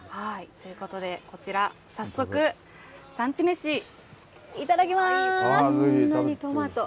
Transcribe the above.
ということで、こちら、早速、産地飯、いただきます。